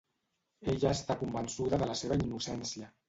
Ella està convençuda de la seva innocència.